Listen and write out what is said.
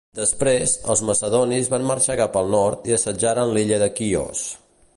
Després, els macedonis van marxar cap al nord i assetjaren l'illa de Quios.